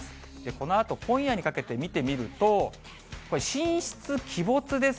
このあと今夜にかけて見てみると、これ、神出鬼没です。